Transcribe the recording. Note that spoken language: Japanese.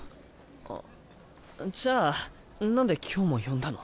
あっじゃあなんで今日も呼んだの？